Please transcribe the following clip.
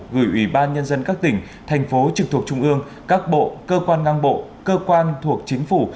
gửi ủy ban nhân dân các tỉnh thành phố trực thuộc trung ương các bộ cơ quan ngang bộ cơ quan thuộc chính phủ